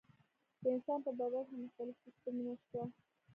د انسان په بدن کې مختلف سیستمونه شته.